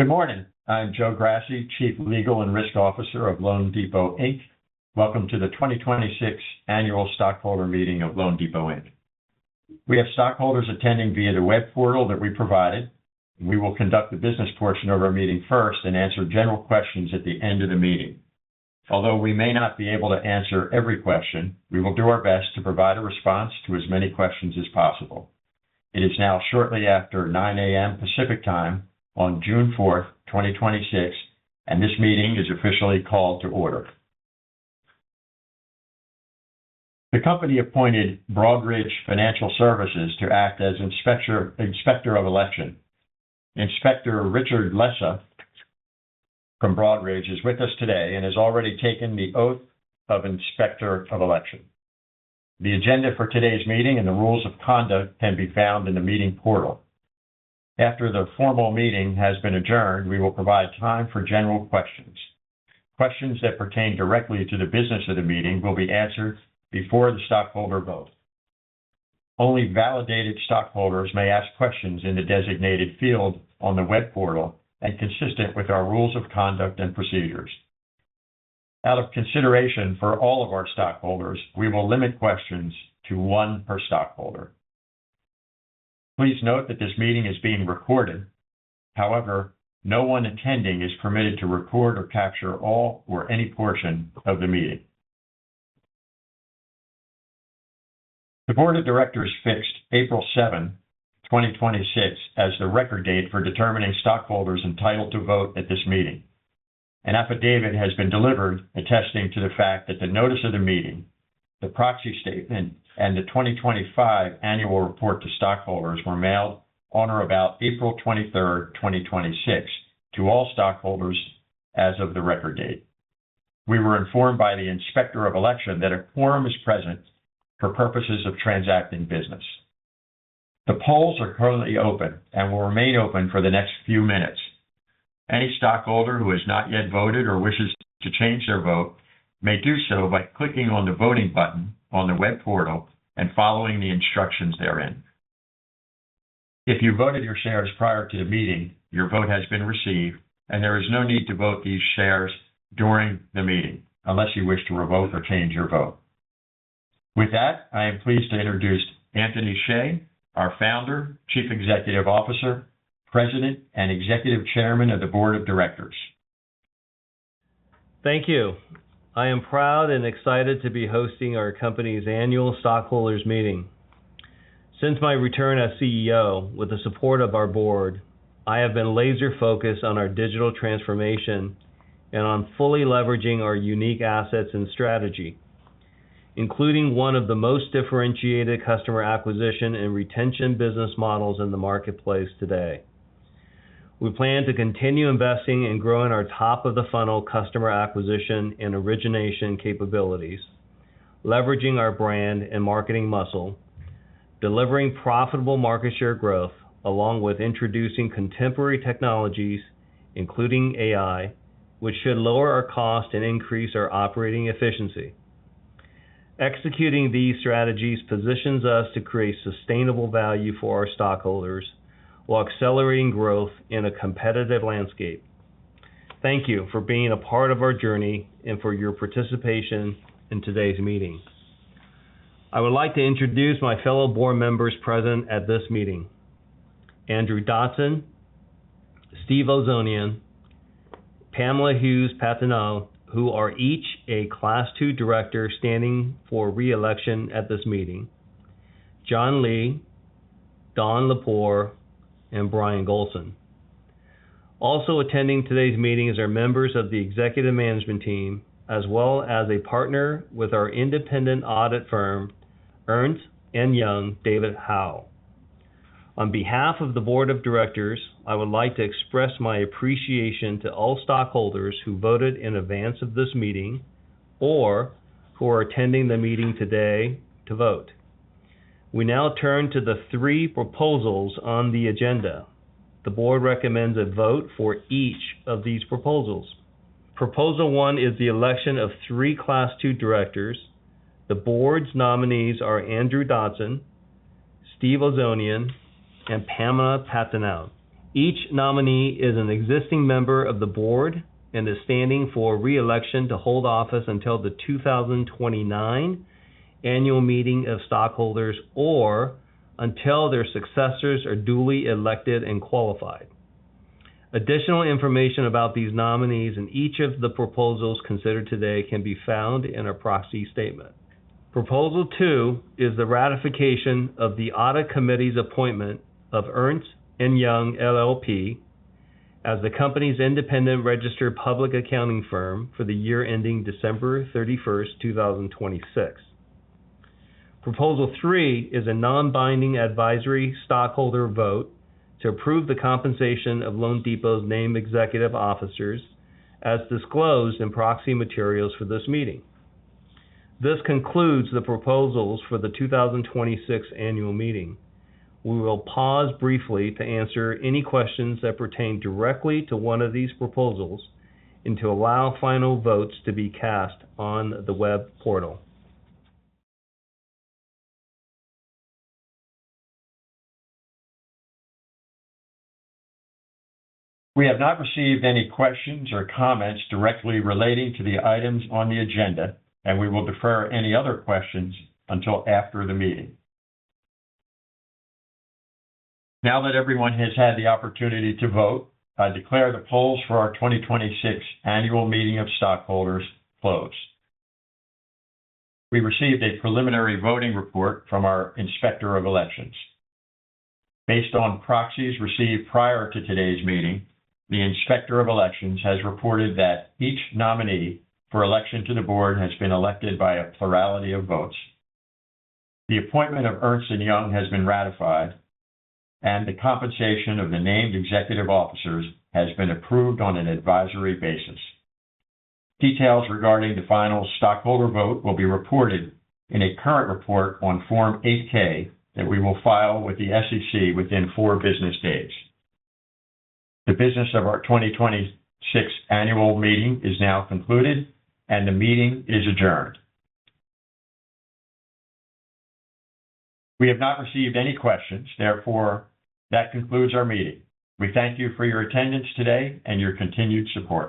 Good morning. I'm Joseph Grassi, Chief Legal and Risk Officer of loanDepot, Inc. Welcome to the 2026 Annual Stockholder Meeting of loanDepot, Inc. We have stockholders attending via the web portal that we provided. We will conduct the business portion of our meeting first and answer general questions at the end of the meeting. Although we may not be able to answer every question, we will do our best to provide a response to as many questions as possible. It is now shortly after 9:00 A.M. Pacific Time on June 4, 2026, and this meeting is officially called to order. The company appointed Broadridge Financial Solutions to act as inspector of election. Inspector Richard Lessa from Broadridge is with us today and has already taken the oath of inspector of election. The agenda for today's meeting and the rules of conduct can be found in the meeting portal. After the formal meeting has been adjourned, we will provide time for general questions. Questions that pertain directly to the business of the meeting will be answered before the stockholder vote. Only validated stockholders may ask questions in the designated field on the web portal and consistent with our rules of conduct and procedures. Out of consideration for all of our stockholders, we will limit questions to one per stockholder. Please note that this meeting is being recorded. However, no one attending is permitted to record or capture all or any portion of the meeting. The Board of Directors fixed April 7, 2026, as the record date for determining stockholders entitled to vote at this meeting. An affidavit has been delivered attesting to the fact that the notice of the meeting, the proxy statement, and the 2025 annual report to stockholders were mailed on or about April 23, 2026 to all stockholders as of the record date. We were informed by the inspector of election that a quorum is present for purposes of transacting business. The polls are currently open and will remain open for the next few minutes. Any stockholder who has not yet voted or wishes to change their vote may do so by clicking on the voting button on the web portal and following the instructions therein. If you voted your shares prior to the meeting, your vote has been received, and there is no need to vote these shares during the meeting unless you wish to revoke or change your vote. With that, I am pleased to introduce Anthony Hsieh, our Founder, Chief Executive Officer, President, and Executive Chairman of the Board of Directors. Thank you. I am proud and excited to be hosting our company's annual stockholders meeting. Since my return as CEO, with the support of our board, I have been laser-focused on our digital transformation and on fully leveraging our unique assets and strategy, including one of the most differentiated customer acquisition and retention business models in the marketplace today. We plan to continue investing in growing our top-of-the-funnel customer acquisition and origination capabilities, leveraging our brand and marketing muscle, delivering profitable market share growth, along with introducing contemporary technologies, including AI, which should lower our cost and increase our operating efficiency. Executing these strategies positions us to create sustainable value for our stockholders while accelerating growth in a competitive landscape. Thank you for being a part of our journey and for your participation in today's meeting. I would like to introduce my fellow board members present at this meeting, Andrew Dodson, Steven Ozonian, Pamela Hughes Patenaude, who are each a class 2 director standing for re-election at this meeting, John Lee, Dawn Lepore, and Brian Golson. Also attending today's meeting is our members of the executive management team, as well as a partner with our independent audit firm, Ernst & Young, David Howe. On behalf of the board of directors, I would like to express my appreciation to all stockholders who voted in advance of this meeting or who are attending the meeting today to vote. We now turn to the three proposals on the agenda. The board recommends a vote for each of these proposals. Proposal one is the election of three class 2 directors. The board's nominees are Andrew Dodson, Steven Ozonian, and Pamela Patenaude. Each nominee is an existing member of the board and is standing for re-election to hold office until the 2029 annual meeting of stockholders or until their successors are duly elected and qualified. Additional information about these nominees and each of the proposals considered today can be found in our proxy statement. Proposal two is the ratification of the Audit Committee's appointment of Ernst & Young LLP as the company's independent registered public accounting firm for the year ending December 31st, 2026. Proposal three is a non-binding advisory stockholder vote to approve the compensation of loanDepot's named executive officers as disclosed in proxy materials for this meeting. This concludes the proposals for the 2026 annual meeting. We will pause briefly to answer any questions that pertain directly to one of these proposals and to allow final votes to be cast on the web portal. We have not received any questions or comments directly relating to the items on the agenda. We will defer any other questions until after the meeting. Now that everyone has had the opportunity to vote, I declare the polls for our 2026 annual meeting of stockholders closed. We received a preliminary voting report from our inspector of elections. Based on proxies received prior to today's meeting, the inspector of elections has reported that each nominee for election to the board has been elected by a plurality of votes. The appointment of Ernst & Young has been ratified, and the compensation of the named executive officers has been approved on an advisory basis. Details regarding the final stockholder vote will be reported in a current report on Form 8-K that we will file with the SEC within four business days. The business of our 2026 annual meeting is now concluded, and the meeting is adjourned. We have not received any questions. Therefore, that concludes our meeting. We thank you for your attendance today and your continued support.